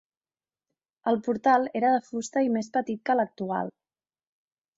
El portal era de fusta i més petit que l'actual.